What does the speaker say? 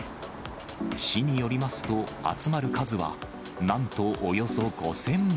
市によりますと、集まる数はなんとおよそ５０００羽。